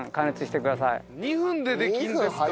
２分でできるんですか。